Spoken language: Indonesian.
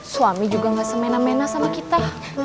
suami juga gak semena mena sama kita